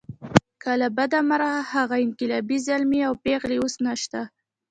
له بده مرغه هغه انقلابي زلمي او پېغلې اوس نشته.